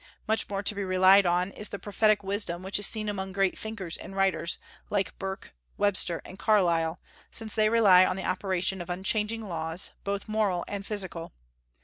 Much more to be relied on is the prophetic wisdom which is seen among great thinkers and writers, like Burke, Webster, and Carlyle, since they rely on the operation of unchanging laws, both moral and physical.